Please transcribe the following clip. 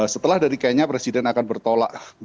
setelah dari kenya presiden akan bertolak